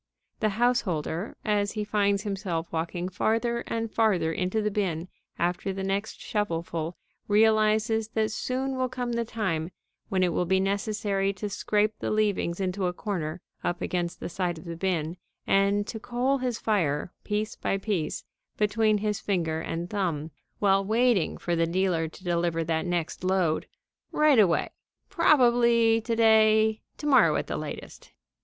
The householder, as he finds himself walking farther and farther into the bin after the next shovelful, realizes that soon will come the time when it will be necessary to scrape the leavings into a corner, up against the side of the bin, and to coal his fire, piece by piece, between his finger and thumb, while waiting for the dealer to deliver that next load, "right away, probably to day, to morrow at the latest."